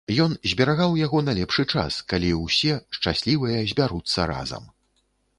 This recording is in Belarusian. Ён зберагаў яго на лепшы час, калі ўсе, шчаслівыя, збяруцца разам.